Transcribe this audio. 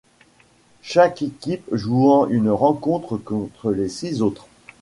Chaque équipe jouant une rencontre contre les six autres.